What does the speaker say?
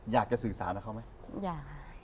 อยากจะสื่อสารเขาไหมอยาก